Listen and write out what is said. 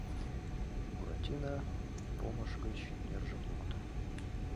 Буратино помыш гыч нержым лукто: